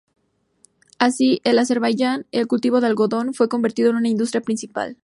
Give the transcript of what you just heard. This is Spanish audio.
Así, en Azerbaiyán el cultivo del algodón fue convertido en una industria principal.